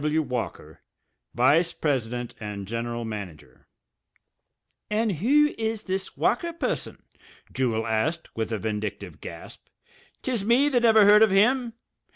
W.W. WALKER, Vice President & General Manager. "And who is this Walker person?" Jewel asked, with a vindictive gasp. "'Tis me that never heard of him.